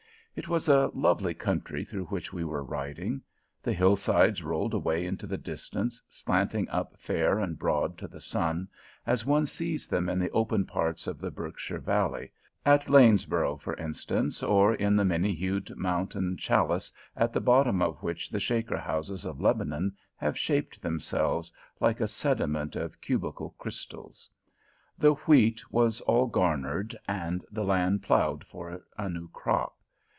It was a lovely country through which we were riding. The hillsides rolled away into the distance, slanting up fair and broad to the sun, as one sees them in the open parts of the Berkshire Valley, at Lanesborough, for instance, or in the many hued mountain chalice at the bottom of which the Shaker houses of Lebanon have shaped themselves like a sediment of cubical crystals. The wheat was all garnered, and the land ploughed for a new crop.